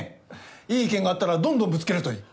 いい意見があったらどんどんぶつけるといい。